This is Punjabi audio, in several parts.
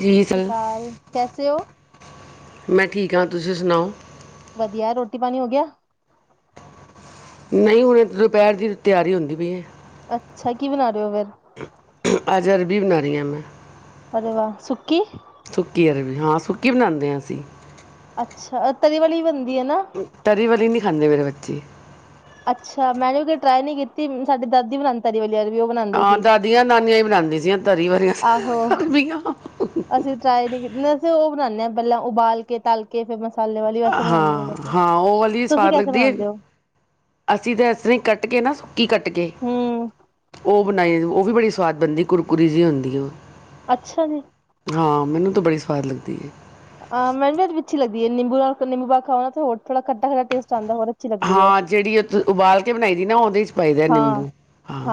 ਜੀ ਸਰ ਕਾਲ, ਕੈਸੇ ਹੋ? ਕਿਆ ਤੁਸੀਂ ਸੁਣਾਓ? ਵਧੀਆ, ਰੋਟੀ-ਪਾਨੀ ਹੋ ਗੇਆ? ਨਈ, ਹੁਣੇ ਦੁਪੈਰ ਦੀ ਤਿਯਾਰੀ ਹੁੰਦੀ ਪਈ ਏ। ਅੱਛਾ, ਕੀ ਬਨਾ ਰਏ ਓ ਫੇਰ? ਦੀਆਂ ਮੈਂ। ਅਰੇ ਵਾਹ, ਸੁੱਕੀ ਸੁੱਕੀ ਅਰਬੀ ਹਾਂ, ਸੁੱਕੀ ਬਣਾਂਦੇ ਆ ਅਸੀ। ਅੱਛਾ, ਤਰੀ ਵਾਲੀ ਬਨ ਤਰੀ ਵਾਲੀ ਨੀ ਖਾਂਦੇ ਮੇਰੇ ਬੱ ਚੇ। ਅੱਛਾ, ਮੈਂ [unintelligible] ਟਰਾਈ ਨੀ ਕੀਤੀ ਸਾਡੀ ਦਾਦੀ ਬਣਾਦੀ ਆਂ ਦਾਦੀਆਂ-ਨਾਨੀਆਂ ਈ ਬਣਾਦੀ ਸੀਆਂਂ ਆਹੋ, ਅਸੀਂ ਟਰਾਈ ਨੀ ਕੀ, ਅਸੀਂ ਓ ਬਨਾਣੇ ਆ ਪੈਲਾਂ ਉਬਾਲ ਕੇ ਤਾੱਲ ਕੇ ਫੇਰ ਮ ਹਾਂ, ਹਾਂ ਓ ਵਾਲੀ ਈ ਤੁਸੀਂ ਸਵਾਦ ਕੈਸੇ ਲੱਗਦੀ ਏ, ਬਣਾਉਂਦੇ ਹੋ ਅਸੀਂ ਤੇ ਏਸ ਤਰਾਂ ਈ ਕੱਟ ਕੇ ਨਾ ਕੀ ਕੱਟ ਕੇ, ਹਮ ਓ ਬਨਾਈ, ਓ ਵੀ ਬੜੀ ਸਵਾਦ ਬੰਨਦੀ ਕੁੁਰਕੁਰੀ ਜੀ ਹੁੰਦੀ ਏ। ਅੱਛਾ ਜੀ। ਹਾਂ, ਮਿਨੂੰ ਤਾਂ ਬੜੀ ਸਵਾਦ ਲੱਗਦੀ ਏ। ਆ ਮੈਨੂੰ ਵੀ [unintelligible] ਲੱਗਦੀ ਏ ਨਿੰਬੂਾਂ ਫਿਰ ਨਿੰਬੂ ਪਾਕੇ ਖਾਓ ਨਾ ਤੇ ਹੋਰ ਥੋੜਾ ਖੱਟਾ-ਖੱਟਾ ਟੇਸ ਹਾਂ ਜਿਹੜੀ ਉਹ ਉਬਾਲ ਕੇ ਬਣਾਈ ਦੀ ਨਾ ਉਹਦੇ ਚ ਪਾਈਦਾ ਹਾਂ ਨਿੰਬੂ ਹਾਂ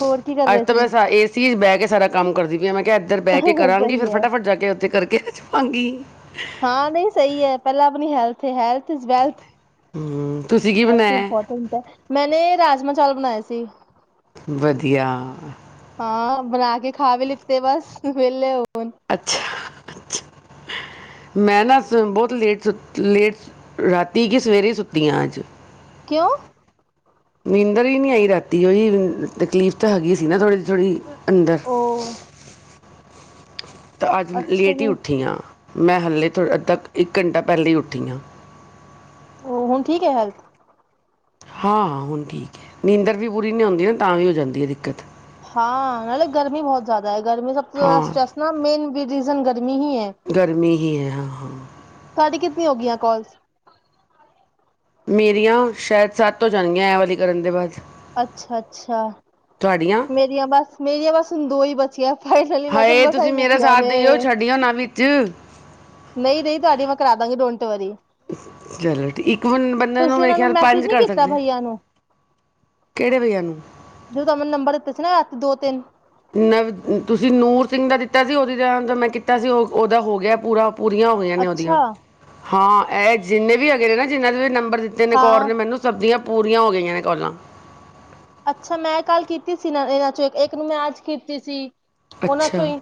ਹੋਰ ਕੀ ਕਰ ਅੱ ਰਹੇ ਤਾਂ ਸੀ ਬੈਸ ਏਸੀ ਚ ਬਹਿ ਸਾ ਕੰਮ ਕਰਦੀ ਪ ਆ ਮੈਂ ਇੱਧਰ ਬਹਿ ਕੇ ਕਰਾਂਗੀ ਸਹੀ ਫਿਰ ਹੈ ਫਟਾਫਟ ਜਾ ਕੇ ਉੱਥੇ ਕਰਕੇ [unintelligible] ਹਾਂ ਨਹੀਂ ਸਹੀ ਹੈ ਪਹਿਲਾਂ ਆਪਣੀ ਹੈਲਥ ਅਤੇ ਹੈਲਥ ਇਜ਼ ਵੈਲਥ ਹਮ, ਤੁਸੀਂ ਕੀ ਹੈਲਥ ਬਣਾਇਆ ਇਪੋਰਟੈਂਟ ਹੈ ਮੈਨੇ ਰਾਜਮਾ ਚਾਲ ਬਣਾਏ ਸੀ ਵਧੀਆ ਬਣਾ ਕੇ ਖਾ ਵੀ ਲਿੱਤੇ ਬਸ ਵਿਹਲੇ ਹੋ ਅੱਛਾ ਅੱਛਾ ਮੈਂ ਨਾ ਸ ਬਹੁਤ ਲੇਟ ਸੁ ਲੇਟ ਰਾਤੀ ਕਿ ਸਵੇਰੇ ਹੀ ਸੁੱਤੀ ਹ ਅੱਜ ਕਿਓ ਨਿੰਦਰ ਹੀ ਨਹੀਂ ਆਈ ਰਾਤੀ ਉਹਹੀ ਤਕਲੀਫ਼ ਤਾਂ ਹੈਗੀ ਸੀ ਨਾ ਥੋੜ੍ਹੀ ਜਹੀ ਥੋੜ੍ਹੀ ਅੰਦਰ ਤਾਂ ਅੱਜ ਲੇਟ ਹੀ ਉੱਠੀੀਆਂ ਮੈਂ ਹਾਲੇ ਤੋਂ ਅੱ ਕੁ ਇੱਕ ਘੰਟਾ ਪਹਿਲੇੇ ਉੱਠੀ ਹਾਂ ਉਹ ਹੁਣ ਠੀਕ ਹੈ ਹੈਲਤ ਹਾਂ ਹੁਣ ਠੀਕ ਹੈ ਨੀਂਦਰ ਵੀ ਪੂਰੀ ਨੀ ਆਉਂਦੀ ਨਾ ਤਾਂ ਵੀ ਹੋ ਜਾਂਦੀ ਹੈ ਦਿੱਕਤ ਹਾਂ ਨਾਲੇ ਗਰਮੀ ਬਹੁਤ ਜ਼ਿਆਦਾ ਹੈ ਗਰਮੀ ਸਭ ਤੋਂ ਜ਼ਿਆਦਾ ਹਾਂ ਸਟੈਸ ਨਾ ਮੇਨ ਰੀਜ਼ਨ ਗ ਗਰਮੀ ਹੀ ਹੈ ਹਾਂ ਤੁਹਾਡੀ ਹੋ ਗਈਆਂ ਕੋਲਸ ਮੇਰੀਆਂ ਸ਼ਾਇਦ ਸੱਤ ਹੋ ਜਾਣਗੀਆਂ ਐ ਵਾਲੀ ਕਰਨ ਦੇ ਬਾਅਦ ਅੱਛਾ ਅੱਛਾ ਤੁਹਾਡੀਆਂ ਮੇਰੀਆਂ ਬਸ ਮੇਰੀਆਂ ਬਸ ਹ ਦੋ ਹੀ ਬਚੀਆਂ ਫਾਈਨਲੀ ਮੈਂ ਕਿਹਾ ਹਾਏ ਮਸਾਂ ਹੀ ਤੁਸੀਂ ਮੇਰਾ ਮੁੱਕੀਆਂ ਸਾਥ ਨੇ ਦੇਈਓ ਛੱਡਿਓ ਨਾ ਵੀੀ ਚੇ ਨਹੀਂ ਨਹੀਂ ਤੁਹਾਡੀ ਮੈਂ ਕਰਾ ਦਾਂਗੀ ਡੋਂਟ ਵਰੀ ਚਲੋ ਇੱਕ ਬੰ ਬੰਦੇ ਤੁਸੀਂ ਮੇਰੇ ਇਹਨਾਂ ਨੂੰ ਖਿਆਲ ਮੈਸੇਜ ਪੰਜ ਨੀ ਕਰ ਕੀਤਾ ਸਕਦੇ ਬਈਆ ਨੂੰ ਕਿਹੜੇ ਭਈਆ ਨੂੰ ਜ ਮਨੂੰ ਨੰਬਰ ਦਿੱਤੇ ਸੀ ਨਾ ਦੋ ਤਿੰਨ ਨਵ ਤੁਸੀਂ ਨੂਰ ਸਿੰਘ ਦਾ ਦਿੱਤਾ ਸੀ ਉਹਦੀ ਮੈਂ ਕੀਤਾ ਸੀ ਉਹ ਉਹਦਾ ਹੋ ਗਿਆ ਪੂਰਾ ਪੂਰੀਆਂ ਹੋ ਗਈਆਂ ਨੇ ਅੱਛਾ ਉਹਦੀਆਂ ਹਾਂ ਇਹ ਜਿੰਨੇ ਵੀ ਹੈਗੇ ਨੇ ਨਾ ਜਿੰਨਾਂ ਦੇ ਵੀ ਨੰਬ ਦਿੱਤੇ ਨੇ ਕੌਰ ਹਾਂ ਨੇ ਮੈਨੂੰ ਸਬਦੀਆ ਪੂਰੀਆਂ ਹੋ ਗਈਆਂ ਨੇ ਗੱਲਾਂ ਅੱਛਾ ਮੈਂ ਕੱਲ ਕੀਤੀ ਸੀ ਨਾ ਇਹਨਾਂ ਚੋਂ ਇੱਕ ਨੂੰ ਮੈਂ ਅਜ ਕੀਤੀ ਸੀ ਉਹਨਾਂ ਚੋਂ ਅੱਛਾ ਹੀ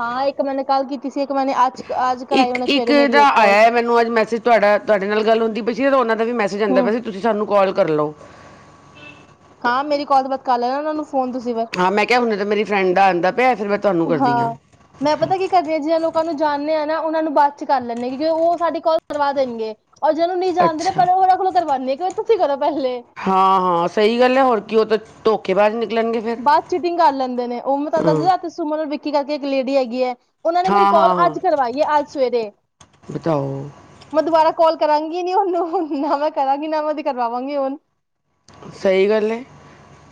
ਹਾਂ ਇੱਕ ਮੈਨੇ ਕੱਲ ਕੀਤੀ ਸੀ ਇੱਕ ਮੈਨੇ ਅੱਜ ਅੱਜ ਕਰਾਈ ਇੱਕ ਉਹਨੇ ਇੱਕ ਸਵੇਰੇ ਮੇਰੀ ਦਾ ਕਾਲ ਆਇਆ ਮੈਨੂੰ ਅੱਜ ਮੈਸੇਜ ਤੁਹਾਡਾ ਤੁਹਾਡੇ ਨਾਲ ਗੱਲ ਹੁੰਦੀ ਪ ਸੀ ਉਹਨਾਂ ਦਾ ਵੀ ਮੈਸੇਜ ਆਉਂਦਾ ਹੂੰ ਪਿਆ ਸੀ ਤੁਸੀਂ ਸਾਨੂੰ ਕਾਲ ਕਰ ਲਓ ਹਾਂ ਮੇਰੀ ਗਲ ਬਾਤ ਕਰ ਲੈਣਾ ਉਹਨਾਂ ਨੂੰ ਫੋਨ ਤੁਸੀਂ ਫਿਰ ਹਾਂ ਮੈਂ ਕਿਹਾ ਹੁੰਦਾ ਮੇਰੀ ਫਰੈਂਡ ਦਾ ਪਿਆ ਫਿਰ ਮੈਂ ਤੁਹਾਨੂੰ ਕਰਦੀ ਹਾਂ ਮੈਂ ਅੱਛਾ ਪਤਾ ਕੀ ਕਰੀ ਜਿ ਲੋਕਾਂ ਨੂੰ ਜਾਂਦੇ ਆਾਂ ਨਾ ਉਹਨਾਂ ਨੂੰ ਬਾਦ ਚ ਕਰ ਲੈਂਦੇਾਂ ਕਿਉਿ ਉਹ ਸਾਡੀ ਕੋਲ ਕਰਵਾ ਦੇਣਗੇ ਔ ਜਿਹਨ ਨਹੀਂ ਜਾਣਦੇ ਅੱਛਾ ਪਹਿਲ ਉਹਨਾਂ ਕੋਲੋਂ ਕਰਵਾਉਂਦੇ [inaudible] ਹਾਂ ਹਾਂ ਸਹੀ ਗੱਲ ਹੈ ਹੋਰ ਕੀ ਉਹ ਤਾਂ ਧੋਕੇੇ ਬਾਾਜ਼ ਬਸ ਚੀਟਿੰਗ ਕਰ ਲੈਂਦੇ ਨੇ ਉਹ ਮੈਂ ਤੁਹਾਨੂੰ ਹਾਂ ਦੱਸਦੀ ਰਾ ਸੁਮਨ ਵਿਕੀ ਕਰਕੇ ਇੱਕ ਲੇਡੀ ਹੈਗੀ ਹੈ ਉਹਨਾਂ ਨੇ ਮੇਰੀ ਹਾਂ ਕਾਲ ਹਾਂ ਹਾਂ ਅੱਜ ਕਰਵਾਈ ਹੈ ਅੱਜ ਸਵੇਰੇ ਬਤਾਓ ਮੈਂ ਦੁਬਾਰਾ ਕਾਲ ਕਰਾਂਗੀ ਨੀ ਉਹਨੂੰਣ ਨਾ ਮੈਂ ਕਰਾਂਗੀ ਨਾ ਮੈਂ ਤੇ ਕਰਵਾਵਾਂਗੀ ਹੁਣ ਸਹੀ ਗੱਲ ਹੈ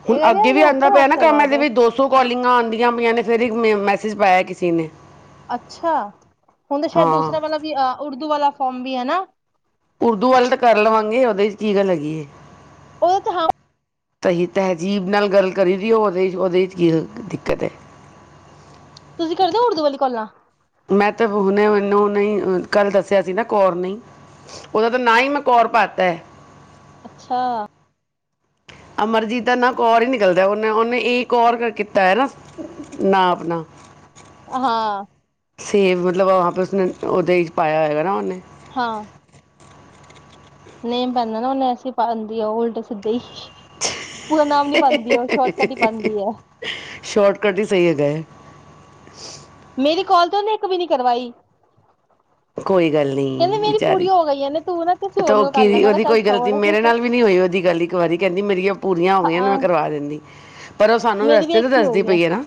ਇਹ ਹੁਣ ਕਹਿੰਦੇ ਅੱਗੇ ਵੀ ਆਉਂ ਹੱਥੋਂ ਪਿਆ ਹੱਥ ਨਾ ਕਰਵਾ ਕੰਮ ਦੇ ਵਿੱਚ ਦੋ ਸੌ ਕਾਲਿੰਗਾਂ ਆਉਂਦੀ ਪਆਂ ਨੇ ਸਵੇਰੇ ਮੈਂ ਮੈਸੇਜ ਪਾਇਆ ਕਿੇ ਨੇ ਅੱਛਾ ਹੁਣ ਤਾਂ ਸ਼ਾਇਦ ਹਾਂ ਦੂਸਰਿਆਂ ਵਾਲਾ ਵੀ ਅਹ ਉਰਦੂ ਵਾਲਾ [inaudible] ਉਰਦੂ ਵਾਲਾ ਤਾਂ ਕਰ ਲਵਾਂਗੇ ਗੱਲ ਹੈਗੀ ਹੈ ਉਹ ਤਾਂ ਹਾਂ ਸਹੀ ਤਹਿਜ਼ੀਬ ਨਾਲ ਗੱਲ ਕਰੀ ਦੀਓ ਉਹਦੇ ' ਉਹਦੇ ' ਕੀ ਦਿੱਕਤ ਹੈ ਤੁਸੀਂ ਕਰਦੇ ਹੋ ਉਰਦੂ ਵਾਲੀ ਕੋਾਲਾਂ ਮੈਂ ਤੇ ਹੁਨੇ ਮੈਨੂੰ ਨਹੀਂ ਕੱਲ ਦੱਸਿਆ ਸੀ ਨਾ ਕੌਰ ਨਹੀਂ ਉਹਦਾ ਤਾਂ ਨ ਹੀ ਮੈਂ ਕੌਰ ਪਾਤਾ ਹੈ ਅੱਛਾ ਅਮਰਜੀਤ ਦਾ ਨਾ ਕੋਰ ਹੀ ਨਿਕਲਦਾ ਉਹਨੇ ਉਹਨੇ ਕਰ ਕੀਤਾ ਹੈ ਨਾ ਨਾ ਆਪਣਾ ਹਾਂ ਸੇਫ ਮਤਲਬ ਉਸਨੇ ਉਹਦੇ ਪਾਇਆ ਹੋਏਗਾ ਨਾ ਉਹਨੇ ਹਾਂ ਨੇਮ ਪੈਂਦਾ ਨਾ ਉਹਨੇ ਐਸੀ ਪਾਉਂਦੀ ਆ ਉਲਟ ਸਿੱਧੇ ਹੀ ਪੂਰਾ ਨਾਮ ਨੀ ਪਾਉਂਦੀ ਉਹ ਸ਼ੋਰਟਕਟ ਹੀ ਪਾਉਂਦੀ ਹੈ ਸ਼ੋਰਟਕਟ ਹੀ ਸਹੀ ਹੈਗਾ ਹੈ [unintelligible] ਮੇਰੀ ਕਾਲ ਤੇ ਉਹਨੇ ਇੱਕ ਵੀ ਨਹੀਂ ਕਰਵਾਈ ਕੋਈ ਗੱਲ ਨਹੀਂ ਕਹਿੰਦੇ ਮੇਰੀ ਵਿਚਾਰੀ ਪੂਰੀ ਹੋ ਗਈ ਹੈ ਨੇ ਤੂੰ ਨਾ ਕਿਸੇ ਹੋਰ ਤਾਂ ਉਹ ਨੂੰ ਕੀ ਕਰ ਲੈ ਮੈਂ ਕਿਹਾ ਉਹਦੀ ਚੱਲ ਕੋਈ ਗਲਤੀ ਮੇਰੇ ਛੋੜ ਨਾਲ ਵੀ ਨਹੀਂੀ ਹੋਈ ਉਹਦੀ ਗੱਲ ਇੱਕ ਵਾਰੀ ਕਿੰ ਨੀ ਮੇਰੀਆ ਪੂਰੀਆਂ ਹੋ ਗਈਆਂ ਹਾਂ ਨੇ ਕਰਵਾ ਦਿੰਦੀ ਪਰ ਉਹ ਸਾਨੂੰ ਮੇਰੀ ਵੀ ਰਸਤੇ ਇੱਕ ' ਹੀ ਦੱਸਦੀ ਹੋਈ ਪਈ ਹੈ ਨਾ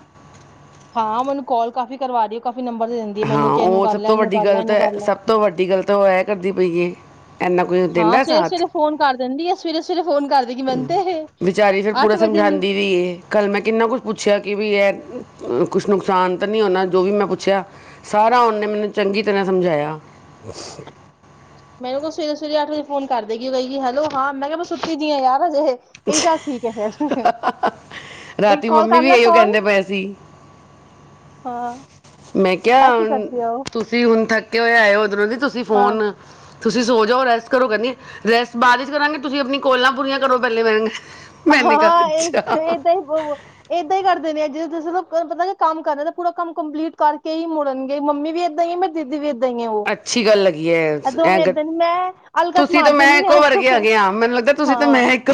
ਹਾਂ, ਮੈਨੂੰ ਕਾਲ ਕਾਫੀ ਕਰਵਾ ਦਿਓ ਕਾਫੀ ਨੰਬਰ ਦੇ ਦਿੰਦੀ ਹੈ ਹਾਂ, ਮੈਨੂੰ ਕਿ ਇਹਨੂੰ ਉਹ ਕਰ ਸਭ ਲੈ ਤੋਂ ਇਹਨੂੰ ਵੱਡੀ ਕਰ ਲੈ ਗੱਲ ਇਹਨੂੰ ਤਾਂ, ਕਰ ਲੈ ਸਭ ਤੋਂ ਵੱਡੀ ਗੱਲ ਤਾਂ, ਉਹ ਇਹ ਕਰਦੀ ਪਈ ਏ। ਇੰਨਾ ਕੋਈ ਹਾਂ ਦਿੰਦਾ ਸਵੇਰੇ ਸਾਥ। ਸਵੇਰੇ ਫੋਨ ਕਰ ਦਿੰਦੀ ਹੈ ਸਵੇਰੇ ਸਵੇਰੇ ਫੋਨ ਕਰ ਦੇਗੀ ਮੈਨੂੰ ਤੇ ਇਹ ਵਿਚਾਰੀ ਫਿਰ ਪੂਰਾ ਵਜੇ ਹੀ ਸਮਝਾਂਦੀ ਵੀ ਏ, ਕੱਲ ਮੈਂ ਕਿੰਨਾ ਕੁਛ ਪੁੱਛਿਆ ਕਿ ਏ ਕੁਛ ਨੁਕਸਾਨ ਤਾਂ ਨਹੀਂ ਹੋਨਾ ਜੋ ਵੀ ਮੈਂ ਪੁੱਛਿਆ? ਸਾਰਾ ਉਹਨੇ ਮੈਨੂੰ ਚੰਗੀ ਤਰ੍ਹਾਂ ਸਮਝਾਇਆ। ਮੈਨੂੰ ਕੋ ਸਵੇਰੇ ਸਵੇਰੇ ਵਜੇ ਫੋਨ ਕਰਦੇਗੀ, ਕਹੇਗੀ ਹੈਲੋ ਹਾਂ। ਮੈਂ ਕਿਹਾ ਮੈ ਸੁੱਤੀ ਦੀ ਆ ਯਾਰ ਹਜੇ [unintelligible] ਇੱਕ ਰਾਤੀ ਕਾਲ ਮੰਮੀ ਕਰ ਵੀ ਲੈ ਇਹੋ ਕਾਲ, ਕਹਿੰਦੇ ਪਏ ਸੀ ਹਾਂ। ਮੈਂ ਕਿਹਾ ਐਸੀ ਕਰਦੀ ਆ ਉਹ ਤੁਸੀਂ ਹੁਣ ਥੱਕੇ ਹੋਏ ਆਏ ਹੋ [unintelligible] ਤੁਸੀਂ ਹਾਂ ਫੋਨ ਤੁਸੀਂ ਸੋ ਜਾਓ, ਰੈਸਟ ਕਰੋ। ਕਹਿੰਦੀ ਰੈਸਟ ਬਾਅਦ 'ਚ ਕਰਾਂਗੇ, ਤੁਸੀਂ ਆਪਣੀ ਕੋਲਾਂ ਪੂਰੀਆਂ ਕਰੋ ਪਹਿਲੇ ਮੈਨੇ ਕਹਾ ਹਾਂ, ਅੱਛਾ ਇਹ ਏਦਾਂ ਹੀ ਏਦਾਂ ਹੀ ਕਰਦੇ ਨੇ ਜਿ ਤੁਸੀਂ ਤੁਹਾਨੂੰ ਪਤਾ ਨ, ਕੰਮ ਕਰ ਰਹੇ ਨੇ। ਪੂਰਾ ਕੰਮ ਕੰਪਲੀਟ ਕਰਕੇ ਹੀ ਮੁੜਨਗੇ। ਮੰਮੀ ਵੀ ਇੱਦਾਂ ਹੀ, ਮੇਰੀ ਦੀਦੀ ਵੀਦਾਂ ਅੱਛੀ ਗੱਲ ਲੱਗੀ ਹੈ ਇਹ। ਏਹ ਗ, ਏਦਾਂ ਮੈਂ ਅਲਕਸ ਤੁਸੀਂ ਤਾਂ ਮਾਰ ਮੈਂ ਦਿੰਦੀ ਇੱਕੋ ਹਾਂ ਵਰਗੇ ਆਗੇ ਆ, ਮੈਨੂੰ ਲੱਗਦਾ ਤੁਸੀਂ ਤਾਂ ਹਾਂ ਮੈਂ ਇੱਕੋ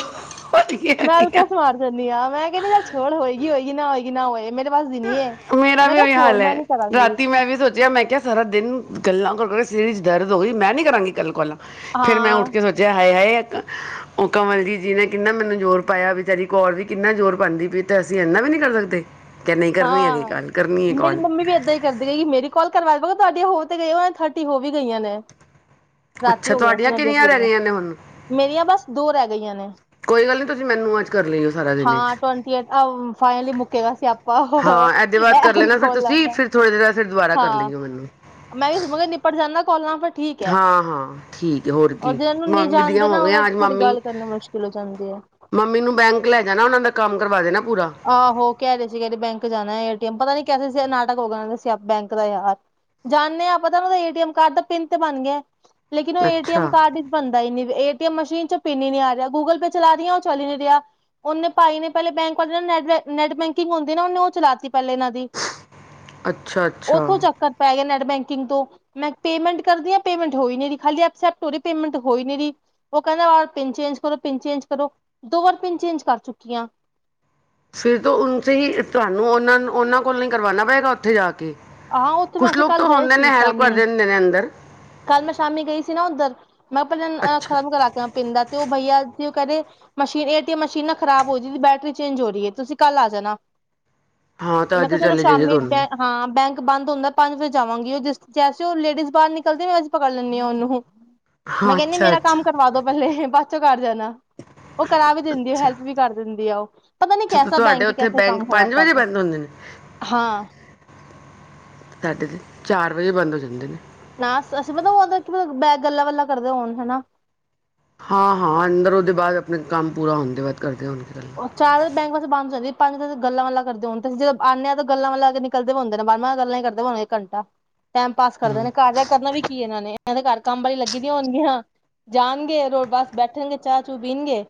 ਵਰਗੇ ਮੈਂ ਹੈਗੇ ਆ ਅਲਕਸ ਮਾਰ ਜਾਨੀ ਹਾਂ, ਮੈਂ ਕਹਿੰਦੀ ਚੱਲ ਛੋੜ ਹੋਏਗੀ ਹੋਏਗੀ ਨਾ ਹੋਏਗੀ ਨਾ ਹੋਏ ਮੇਰੇ ਪਾਸ ਦੀ ਨੀ ਹੈ ਮੇਰਾ ਮੈਂ ਵੀ ਕਿਹਾ ਉਹੀ ਛੋੜ ਹਾਲ ਮੈਂ ਹੈ, ਨੀ ਕਰਾਂਗੀ ਰਾਤੀ ਮੈਂ ਵੀ ਸੋਚਿਆ, ਮੈਂ ਕਿਹਾ ਸਾਰਾ ਦਿਨ ਗੱਲਾਂ ਕਰੋ ਸਿਰ ਚ ਦਰਦ ਹੋ ਗਈ, ਮੈਂ ਨੀ ਕਰਾਂਗੀ ਕੱਲ ਕੋਲਾ ਫਿਰ ਮੈਂ ਹਾਂ ਉੱਠ ਕੇ ਸੋਚਿਆ, ਹਾਏ, ਹਾਏ ਉਹ ਕਵਲ ਜੀ-ਜੀ ਨੇ ਕਿੰਨਾ ਮੈਨੂੰ ਜ਼ੋਰ ਪਾਇਆ, ਵੇਚਾਰੀ ਕੌਰ ਵੀ ਕਿੰਨਾ ਜ਼ੋਰ ਪਾਂਦੀ ਪੀ ਤ ਅਸੀਂ ਇੰਨਾ ਵੀ ਨੀ ਕਰ ਸਕਦੇ? ਕਿ ਨਹੀਂ ਕਰਨੀ ਹੈਗੀ ਹਾਂ, ਗੱਲ ਕਰਨੀ ਹੈ ਮੇਰੀ ਕਾਲ ਮੰਮੀ ਵੀ ਏਦਾਂ ਹੀ ਕਰਦੀ ਰੇਗੀ, ਮੇਰੀ ਕੋਾਲ ਕਰਵਾ ਦੇ ਹੋ ਤੇ ਗਏ ਹੋ, ਥਰਟੀ ਹੋ ਵੀ ਗਈਆਂ ਨੇ। ਰਾਤੀ ਅੱਛਾ ਹੋ ਗਈਆਂ ਸੀ ਤੁਹਾਡੀਆਂ ਉਹਨਾਂ ਦੀਆਂ ਕਿੰਨੀਆਂ ਰਹਿ ਪੂਰੀਆਂ, ਗਈਆਂ ਨੇ ਹੁਣ ਮੇਰੀਆਂ ਬੱਸ ਦੋ ਰਹਿ ਗੀ ਗਈਆਂ ਨੇ। ਕੋਈ ਗੱਲ ਨਹੀਂ ਤੁਸੀਂ ਮੈਨੂੰ ਅੱਜ ਕਰ ਲਈਓ ਸਾਰਾ ਦਿਨ ਹਾਂ, 'ਚ ਟਵੰਟੀ ਏ ਅਮ, ਫਾਈਨਲੀ ਮੁੱਕੇਗਾ ਸਿਆਪ ਹਾਂ, ਇਹਦੇ ਬਾਅਦ ਕਰ ਲੈਣਾ ਫਿਰ ਤੁਸੀਂ, ਦਾ ਫਿਰ ਥੋੜੇ ਦੇਰ ਆਸੇ ਰ ਦੁਬਾਰਾ ਕਰ ਹਾਂ ਲਈਓ ਮੈਨੂੰ। ਕੋਲਾ। ਹਾਂ, ਹਾਂ ਠੀਕ ਹੈ ਹੋਰ ਔਰ ਕੀ? ਜਿਹਨੂੰ ਨਹੀਂ ਮੰਮੀ ਦੀਆ ਜਾਣਦੇ ਹੋ ਨਾ ਗਈ ਉਹਨਾਂ ਅੱਜ ਤੁਹਾਡੀ ਮੰਮੀ, ਗੱਲ ਕਰਨੀ ਮੁਸ਼ਕਿਲ ਹੋ ਜਾਂਦੀ ਹੈ ਮੰਮੀ ਨੂੰ ਬੈਂਕ ਲੈ ਜਾਣਾ ਉਹਨਾਂ ਦਾ ਕੰਮ ਕਰਵਾਦੇ ਨਾ ਆਹੋ। ਕਹਿ ਰਹੇ ਸੀ ਕਿਦੇ ਬੈਂਕ ਜਾਣਾ ਏਟੀਐਮ ਪਤਾ ਨੀ ਕਹਿ ਰੇ ਸੀ ਅੱਜ ਨਾਟਕ ਹੋ ਗਿਆ [unintelligible] ਬੈਂਕ ਦਾ ਯਾਰ। ਜਾਨੇ ਆ, ਪਤਾ ਮੈਨੂੰ ਏਟੀਅਮ ਕਾਰਡ ਦਾ ਪਿੰਨ ਤੇ ਬਨ ਗਿਆ ਲੇਕਿਨ ਉਹ ਏ ਟੀ ਅਮ ਅੱਛਾ, ਕਾਰਡ ਚ ਬਨਦਾ ਹੀਈ ਨੀ ਅ ਮਸ਼ੀਨ ਚ ਪਿੰਨ ਹੀ ਨੀ ਆ ਰਿਹਾ। ਗੂਗਲ ਪੇ ਚਲਾ ਰਹੀ ਆਂ, ਉਹ ਚੱਲ ਨੀ ਰਿਹਾ ਉਹਨੇ ਪਾਈ ਨੇ ਪਹਿਲੇ ਬੈਂਕ ਨੈਟ ਬੈਂਕ ਕਿੰਗ ਹੁੰਦੀ ਨਾ ਉਹਨੇ ਉਹ ਚਲਾ ਦਿੱਤੀ ਪਹਿਲੇ ਇਹਨਾਂ ਦੀ ਅੱਛਾ-ਅੱਛਾ ਉੱਥੋਂ ਚੱਕਰ ਪੈ ਗਿਆ ਨੈਟ ਬੈਂਕ ਨੈਟ ਬੈਂਕਿੰਗ ਤੋਂ ਮੈਂ ਪੇਮੈਂਟ ਕਰਦੀ ਪੈਂਟ ਹੋਈ ਖਸੇੈਂਟ ਹੋ ਕਹਿੰਦਾ ਪਿੰਨ ਚੇਜ ਕਰ ਪਨ ਚੇਂਜ ਕਰੋ ਦੋ ਵਾਰ ਪਿੰਨ ਚੇਂਜ ਕਰ ਚੁੱਕੀ ਆ ਫਿਰ ਤੋਂ ਹੀ ਤੁਹਾਨੂੰ ਉਹਨਾਂ ਉਹਨਾਂ ਕੋਲ ਨ ਕਰਵਾਣਾ ਪਏਗਾ ਉੱਥੇ ਜਾ ਕੇ ਆਹਾਂ ਉੱਥੇ ਮੈਂ ਕੁਛ ਅਸੀਂ ਲੋਕ ਕੱਲ ਤਾਂ ਗਏ ਹੁੰਦੇ ਨੇ ਸੀ ਹੈਲਪ ਕਰ ਸ਼ਾਮੀ ਦਿੰਦੇ ਨੇ ਅੰਦਰ ਕੱਲ ਮੈਂ ਸ਼ਾਮੀ ਗਈ ਸੀ ਨਾ ਉੱਧਰ ਮੈਂ ਕਿਹਾ ਪਹਿਲਾਂ ਅੱਛਾ ਖ਼ਤਮ ਕਰਾ ਕੇ ਪਿੰਡ ਦਾ ਤੇ ਉਹ ਬਈਆ ਸੀ ਮਸ਼ਏਟੀਮ ਮਸ਼ੀਨ ਨਾ ਖਰਾਬ ਹੋਦੀ ਬੈਟਰੀ ਚੇਂਜ ਹੋ ਰਹੀ ਹੈ ਤੁਸੀਂ ਕੱਲ ਆ ਜਾਣਾ ਹਾਂ ਤਾਂ ਮੈਂ ਅੱਜ ਕਿਹਾ ਚਲੋ ਚਲੇ ਜਾਈਏ ਸ਼ਾਮੀ ਦੋਨੋਂ ਬੈਂ ਹਾਂ ਬੈਂਕ ਹੁੰਦਾ ਪੰਜ ਵਜੇ ਜਾਵਾਂਗੀ ਉਹਿਸ ਜੈਸੇ ਉਹ ਲੇਡੀਜ਼ ਬਾਹਰ ਨਿਕਲਦੀ ਅੱਜ ਪਕੜ ਲੈਂਦੀ ਹਾਂ ਉਹਨੂੰ ਮੈਂ ਹਾਂ ਕਹਿੰਦੀ ਮੇਰਾ ਕੰਮ ਅੱਛਾ-ਅੱਛਾ, ਕਰਵਾ ਦੋ ਪਹਿਲੇ ਬੱਚ ਕਰ ਜਾਣਾ ਉਹ ਕਰਾ ਵੀ ਦਿੰਦੀ ਆ ਅੱਛਾ ਅੱਛਾ ਹੈਲਪ ਵੀ ਕਰ ਦਿੰਦੀ ਆ ਉਹ ਪਤਾ ਨੀ ਅੱਛਾ ਕੈਸਾ ਤੁਹਾਡੇ ਬੈਂਕ ਉੱਥੇ ਕਸਾ ਬੈਂਕ ਕੰਮ ਖ਼ਰਾਬ ਪੰਜ ਵਜੇ ਕਰਦਾ ਬੰਦ ਹੁੰਦੇ ਨੇ ਹਾਂ ਸਾਡੇ ਤੇ ਚਾਰ ਵਜੇ ਬੰਦ ਹੋ ਜਾਂਦੇ ਨੇ ਨਾ ਅਸੀਂ ਮਲਬ ਬੈ ਗੱਲਲਾ ਵੱਲਲਾ ਕਰਦੇ ਹੋਣ ਹਨਾ ਹਾਂ ਹਾਂ ਅੰਦਰ ਉਹਦੇ ਬਾਅਦ ਆਪਣਾ ਕੰਮ ਪੂਰਾ ਹਣਦੇ ਬਾਅਦ ਕਰਦੇ [inaudible] ਚਾਰ ਬੈਂਕ ਵਸ ਬੰਦ ਜਾਂਦੀ ਪੰਜ ਗੱਲਾਂ ਲਾਂਦੇਣ ਜਦ ਆਂਦੇ ਆ ਤਾਂ ਗਾਂਲਾਂ ਨਿਕਲਦੇ ਹਦੇ ਨੇ ਬਾਰਵਾਂ ਗੱਲਾਂ ਹੀ ਕਰਦੇ ਹੋਣਆਂ ਘੰਟਾ ਟਾਈਮ ਪਾਸ ਕਰਦੇ ਨੇ ਕਾਰਜਾ ਕਰਨਾ ਵੀ ਕੀ ਇਹਨਾਂ ਨੇ ਇਹ ਦੇ ਘਰ ਕੰਮ ਵਾਲੀ ਲੱਗੀ ਦੀਆਂ ਹੋਣਗੀਆਂ ਜਾਣਗੇ ਬਸ ਬੈਠਣਗੇ ਚਾਹ ਚੂ ਪੀਣਗੇ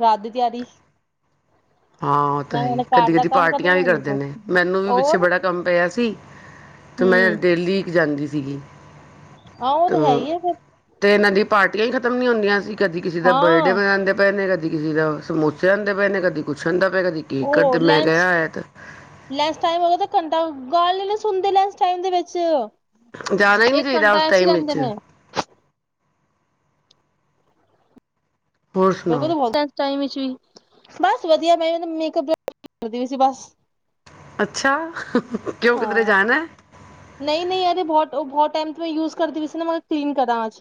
ਰਾਤ ਦੀ ਤਿਆਰੀ ਹਾਂ ਉਹ ਤਾਂ ਨਾ ਹੈ ਹੀ ਉਹਨੇ ਘਰ ਕਦੀ ਦਾ ਕਦੀ ਕੰਮ ਕਰਨਾ ਪਾਰਟੀਆਂ ਨਾ ਵੀ ਇਹਨਾਂ ਕਰਦੇ ਕੁਛ ਨੇ ਮੈਨੂੰ ਵੀ ਪਿੱਛੇ ਹੋਰ ਬੜਾ ਕੰਮ ਪਿਆ ਸੀ ਤੇ ਮੈਂ ਡੇਲੀ ਜਾਂਦੀ ਸੀਗੀ ਆਹ ਉਹ ਤ ਤੇ ਹੈ ਹੀ ਆ ਫਿਰ ਤੇ ਇਹਨਾਂ ਦੀ ਪਾਰਟੀਆਂ ਹੀ ਖ਼ਤਮ ਨੀ ਹੁੰਦੀਆਂ ਸੀ ਕਦੀ ਕਿਸੇ ਦਾ ਬਰਡੇ ਹਾਂ ਮਨਾਉਂਦੇ ਪਏ ਨੇ ਕਦੀ ਕਦੀ ਕਿਸੇ ਦਾ ਸਮੋਸੇ ਹੁੰਦੇ ਪਏ ਨੇ ਕਦੀ ਕੁੱਛ ਦਾ ਕਦੀ ਕੀ ਕਰਦੇ ਉਹ ਮੈਂ ਲੰਚ ਕਿਹਾ ਆਇਆ ਤੇ ਲੈਸ ਟਾਈਮ ਹੋ ਗਿਆ ਤਾਂ ਘੰਟਾ ਗੱਲ ਨੀ ਸੁਣਦੇ ਨੇ ਇਸ ਟਾਈਮ ਦੇ ਵਿੱਚ ਜਾਣਾ ਹੀ ਨਹੀ ਇੱਕ ਚਾਹੀਦਾ ਘੰਟਾ ਉਸ ਐਸੇ ਟਾਈਮ ਲੈਂਦੇ ਵਿੱਚ ਨੇ ਹੋਰ ਸੁਣਾਓ ਮੇਲ ਬਮ ਬਸ ਵਧੀਆ ਮੈਂ ਮੇਕਅਪ ਕਰਦੀ ਸੀ ਬਸ ਅੱਛਾ ਕਿਉਂ ਕਿਧਰੇ ਹਾਂ ਜਾਣਾ ਹੈ ਨਹੀਂ ਨਹੀਂ ਯਾਰ ਬਹੁਤ ਬਹੁਤ ਟਾਈਮ ਮੈਂ ਯੂਜ਼ ਕਰਦੀ ਸੀ ਮੈਂ ਕਲੀਨ ਕਰਾਂ ਆਜ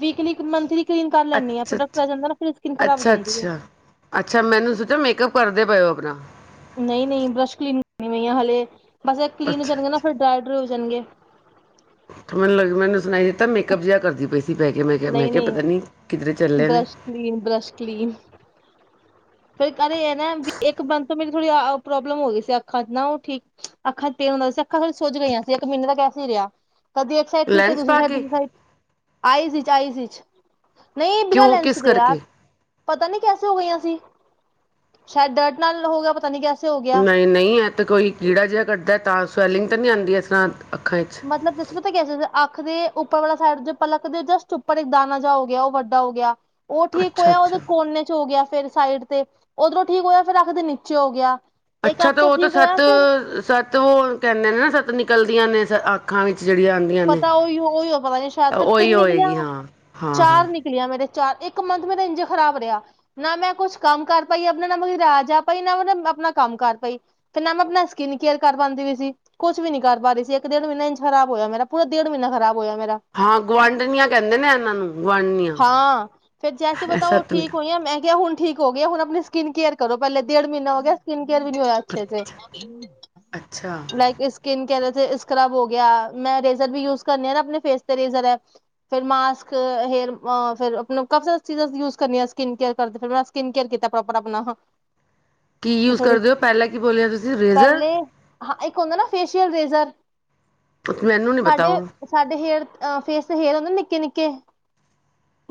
ਵੀਕਲੀ ਮੰਥਲੀ ਕਲੀਨ ਕਰ ਲੈਂਦੀ ਆ ਅੱਛਾ ਪ੍ਰੋਡਕਟ ਅੱਛ ਆ ਜਾਂਦਾ ਨਾ ਫਿਰ ਸਕਿਨ ਖਰਾਬ ਹੋ ਅੱਛਾ ਜਾਂਦੀ ਹੈ ਅੱਛਾ ਅੱਛਾ ਮੈਨੂੰ ਸੋਚਿਆ ਮੇਕਅਪ ਕਰਦੇ ਪਏ ਹੋ ਹੋਰਰਾ ਨਹੀਂ ਨਹੀਂ ਬਰਸ਼ ਕਲੀਨ ਕਰਨੀ ਪਈ ਆ ਹਾਲੇ ਬਸ ਇਹ ਕਲੀਨ ਹੋ ਅੱਛਾ ਜਾਣਗੇ ਨਾ ਫਿਰ ਡਰਾ ਡ ਜਾਣਗੇ ਤੇ ਮੈਨੂੰ ਲ ਮੈਨੂੰ ਸੁਣਾਈ ਦਿੱਤਾ ਮੇਕਅਪ ਜਿਹਾ ਕਰਦੀ ਪਈ ਸੀ ਪੈ ਕੇ ਮੈਂ ਕਿਹਾ ਮੈਂ ਨਹੀਂ ਕਿਹਾ ਨਹੀਂ ਪਤਾ ਨੀ ਕਿਧਰੇ ਚੱਲੇ ਨੇ ਬਰੱਸ਼ ਕਲੀਨ ਬਰੱਸ਼ ਕਲੀਨ ਫਿਰ ਕਦੇ ਇਹ ਨਾ ਵੀ ਇੱਕ ਬੰ ਤੋਂ ਮੇਰੀ ਥੋੜੀ ਪ੍ਰੋਬਲਮ ਹੋ ਗਈ ਸੀ ਅੱਖਾਂ ਚ ਨਾ ਠੀਕ ਅੱਖਾਂ ਚ ਤੇਨ ਹੁੰਦਾ ਸੀ ਅੱਖਾਂ ਥੋੜੀਆਂ ਸੁੱਜ ਗਈਆਂ ਸੀ ਇੱਕ ਮਹੀਨੇ ਦਾ ਕਸ ਰਿਹਾ ਕਦੀ ਇੱਕ ਸਈਡ ਠੀਕ ਆ ਲੈਂਸ ਦੂਸਰੀ ਪਾ ਸਈਡ ਕੇ ਦੂਸਰੀ ਸਈਡ ਆਈ ਜ ਚਾਈਜ਼ ਵਿੱਚ ਨਹੀਂ ਇਹ ਬਿਨਾਂ ਕਿਉਂ ਲੈਂਸ ਕਿਸ ਦੇ ਆ ਕਰਕੇ ਪਤਾ ਨੀ ਕੈਸੇ ਹੋ ਗਈਆਂ ਸੀ ਸ਼ਾਇਦ ਡਰਦ ਨਾਲ ਹੋ ਗਿਆ ਪਤਾ ਨੀ ਕਿਆ ਨਹੀਂ ਨਹੀਂ ਇਹ ਤਾਂ ਕੋਈ ਕੀੜਾ ਜਿਹਾ ਕੱਟਦਾ ਤਾਂ ਸਵੈਲਿੰਗ ਨੀ ਆਉਂਦੀ ਇਸ ਤਰ੍ਹਾਂ ਅੱਖਾਂ 'ਚ ਮਤਲਬ ਦਮ ਤਾਂ ਕਹਿ ਸਕਦਾ ਆਖਦੇ ਉੱਪਰ ਵਾਲਾ ਸਾਈਡ ਦੇ ਪਲਕ ਦੇ ਜਸਟ ਉੱਪਰ ਇੱਕ ਦਾਾਨ ਜ ਹੋ ਗਿਆ ਉਹ ਵੱਡਾ ਹੋ ਗਿਆ ਉਹ ਠੀਕ ਅੱਛਾ ਹੋਇਆ ਉਹਦੇ ਅੱਛਾ ਕੋਨੇ ਚ ਹੋ ਗਿਆ ਫਿਰ ਸਾਈਡ ਤੇ ਉਓਧਰੋਂ ਠੀਕ ਹੋਇਆ ਫੇਰ ਆਖਦੇ ਨੀਚੇ ਹੋ ਗਿਆ ਇੱਕ ਅੱਛਾ ਅੱਖ ਤੇ ਤੋਂ ਉਹ ਤਾਂ ਠੀਕ ਹੋਇਆ ਸੱਤ ਫਿਰ ਸੱਤ ਉਹ ਕਹਿੰਦੇ ਨੇ ਨਾ ਸੱਤ ਨਿਕਲਦੀਆਂ ਨੇ ਅੱਖਾਂ ਵਿੱਚ ਜਿਹੜੀਆਂ ਆਉਂਦੀਆਂ ਨੇ ਪਤਾ ਉਹੀ ਉਹੀ ਹੋ ਪਤਾ ਨੀ ਸ਼ਾਇਦ ਫਿਰ ਉਹੀ ਤਿੰਨ ਨਿਕਲੀਆਂ ਹੋਏਗੀ ਹਾਂ ਹਾਂ ਹਾਂ ਚਾਰ ਨਿਕਲੀਆਂ ਮੇਰੇ ਚਾਰ ਇੱਕ ਮੰਥ ਮੇਰਾ ਇੰਜ ਖ਼ਰਾਬ ਰਿਹਾ ਨਾ ਮੈਂ ਕੁਛ ਕੰਮ ਕਰ ਪਾਈ ਆਪਣਾ ਨਾ ਮ ਰਾਜ ਪਾਈ ਨਾ ਮ ਆਪਣਾ ਕੰਮ ਕਰ ਪਾਈ ਤੇ ਨਾ ਮੈਂ ਆਪਣਾ ਸਕਿਨ ਕੇਅਰ ਕਰ ਪਾਉਂਦੀ ਵੀ ਸੀ ਕੁਛ ਵੀ ਨੀ ਕਰ ਪਾ ਰਹੀ ਸੀ ਇੱਕ ਡੇਢ ਮਹੀੇ ਇੰਜ ਖ਼ਰਾਬ ਹੋਇਆ ਮੇਰਾ ਪਰਾ ਡੇਢ ਮਹੀਨਾ ਖਰਾਬ ਹੋਇਆ ਮੇਰਾ ਹਾਂ ਗੁਆਂਢਣੀਆਂ ਕਹਿੰਦੇ ਨੇ ਇਹਨਾਂ ਨੂੰ ਗੁਆਂਢੀਆਂ ਹਾਂ ਫਿਰ ਜੈਸੇ ਬਤਾਓ ਸਤ ਨਿਕ ਠੀਕ ਹੋਈ ਮੈਂ ਕਿਹਾ ਹੁਣ ਠੀਕ ਹੋ ਗਏ ਹੁਣ ਆਪਣੀ ਸਕਿਨ ਕੇਅਰ ਕਰੋ ਪਹਿਲੇ ਡੇਢ ਮਹੀਨਾ ਹੋ ਗਿਆ ਸਕਿੰਨ ਰ ਵੀ ਨਹੀਂ ਹੋਇਆ ਅੱਛੇ ਅੱਛਾ ਅੱਛਾ ਲਾਈਕ ਸਕਕਿਨ ਕੇਰ ਸਕ੍ਰਬ ਹੋ ਗਿਆ ਮੈਂ ਰ ਵੀ ਯੂਜਸ ਕਰਨੀ ਆ ਨਾ ਆਪਣੇ ਫੇਸਜਰ ਫਿਰ ਮਾਸਕ ਹੇਅਰਰ ਆਪ ਕਾੀ ਚੀਜ਼ਾਂ ਯੂਸ ਕਰਨੀ ਆ ਸਕਿੰਨ ਕੇਅਰ ਕਰਿਰ ਮੈਂ ਸਕਿੰਨ ਕੇਅਰ ਕੀਤਾ ਪ੍ਰੋਪਰ ਆਪਣਾ ਕੀ ਯੂਜ ਥੋੜੀ ਕਰਦੇ ਹੋ ਪਹਿਲਾਂ ਕੀ ਬੋਲਿਆ ਤੁਸੀਂ ਰਰੇਜ਼ਰ ਰਜ਼ਰ ਨੀ ਪਤਾ ਸਾਡੇ ਉਹ ਸਾਡੇ ਹੇਅਰ ਅ ਫੇਸ ਦੇ ਹੇਅਰ ਹੁੰਦੇ ਨਿੱਕੇ ਨਿੱਕੇ [inaudible]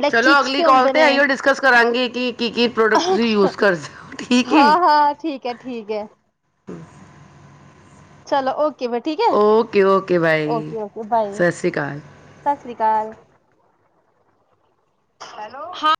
ਲਾਈਕ ਚਲੋ ਚੀਕਸ ਅਗਲੀ ਕਾਲ ਹੁੰਦੇ ਤੇ ਨੇ ਆਈਓ ਡਿਸਕਸ ਕਰਾਂਗੇ ਕਿ ਕੀ ਕੀ ਪ੍ਰੋਡਕਟ ਤੁਸੀ ਯੂਜ ਕਰ ਹਾਂ ਹਾਂ ਠੀਕ ਹੈ ਠੀਕ ਹੈ [inaudible] ਚਲੋ ਓਕੇ ਬ ਠੀਕ ਹੈ okay okay bye, okay okay bye ਸਤਿ ਸ਼੍ਰੀ ਅਕਾਲ ਸਤਿ ਸ੍ਰੀ ਅਕਾਲ ਹੈਲੋ ਹਾਂ